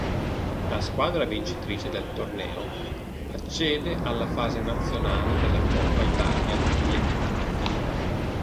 La squadra vincitrice del torneo accede alla fase nazionale della Coppa Italia Dilettanti.